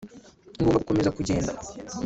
ngomba gukomeza kugenda